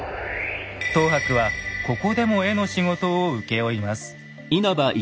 等伯はここでも絵の仕事を請け負います。